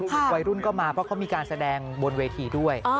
วัยรุ่นก็มาเพราะเขามีการแสดงบนเวทีด้วย